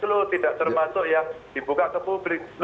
ini cx tidak termasuk ya dibuka ke publik